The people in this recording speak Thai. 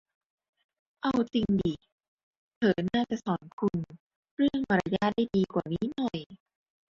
เอาจริงดิ เธอน่าจะสอนคุณเรื่องมารยาทได้ดีกว่านี้หน่อย